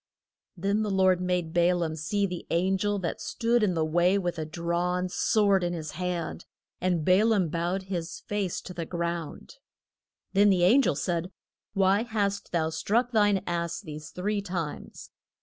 Then the Lord made Ba laam see the an gel that stood in the way with a drawn sword in his hand, and Ba laam bowed his face to the ground. Then the an gel said, Why hast thou struck thine ass these three times?